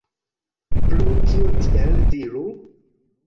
Pro kio tiel, diru?